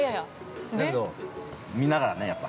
だけど、見ながらね、やっぱ。